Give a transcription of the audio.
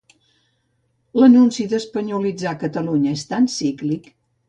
L'anunci d'espanyolitzar Catalunya és tan cíclic